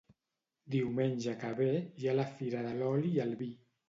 Diumenge que ve hi ha la fira de l'oli i el vi